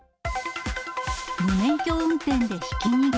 無免許運転でひき逃げ。